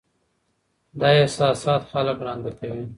دا احساسات خلک ړانده کوي.